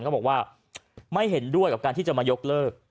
ก็บอกว่าไม่เห็นด้วยกับการที่จะมายกเลิก